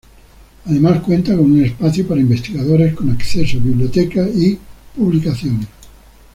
Además cuenta con un espacio para investigadores con acceso a biblioteca y publicaciones.